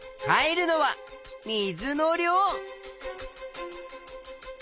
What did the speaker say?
変えるのは水の量！